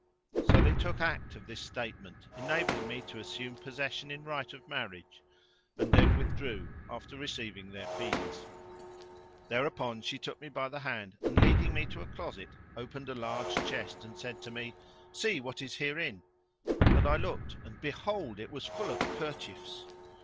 So they took act of this statement enabling me to assume possession in right of marriage; and then withdrew, after receiving their fees. Thereupon she took me by the hand and, leading me to a closet, opened a large chest and said to me, "See what is herein;" and I looked and behold, it was full of kerchiefs.